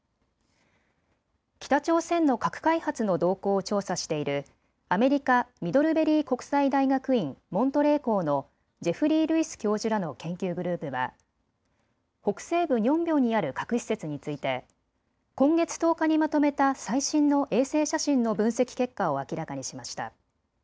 北朝鮮の核開発の動向を調査しているアメリカ、ミドルベリー国際大学院モントレー校のジェフリー・ルイス教授らの研究グループは北西部ニョンビョンにある核施設について今月１０日にまとめた最新の衛星写真の分析結果を明らかにしました。